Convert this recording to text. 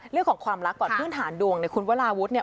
เรื่องของความรักก่อนพื้นฐานดวงเนี่ยคุณวราวุฒิเนี่ย